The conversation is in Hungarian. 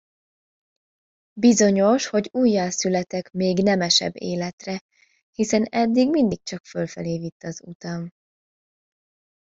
Bizonyos, hogy újjászületek még nemesebb életre, hiszen eddig mindig csak fölfelé vitt az utam.